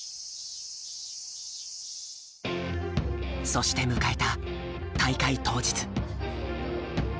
そして迎えた大会当日。